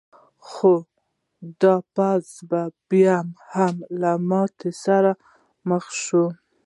خو دا پوځ بیا هم له ماتې سره مخ شو.